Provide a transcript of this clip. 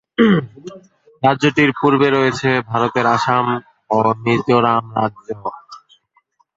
রাজ্যটির পূর্বে রয়েছে ভারতের আসাম ও মিজোরাম রাজ্য।